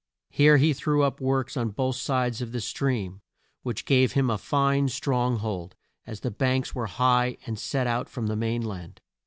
Here he threw up works on both sides of the stream, which gave him a fine strong hold, as the banks were high and set out from the main land.